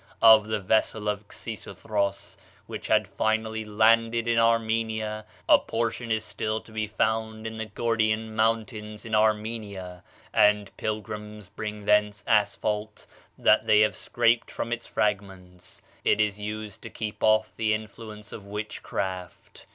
Of the vessel of Xisuthros, which had finally landed in Armenia, a portion is still to be found in the Gordyan Mountains in Armenia, and pilgrims bring thence asphalte that they have scraped from its fragments. It is used to keep off the influence of witchcraft.